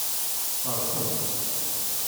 Fersen-t.